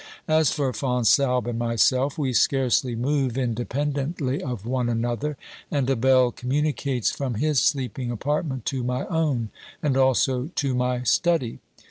As for Fonsalbe and myself, we scarcely move independently of one another, and a bell communicates from his sleeping apartment to my own, and also to my study.